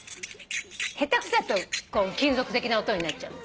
下手くそだと金属的な音になっちゃう。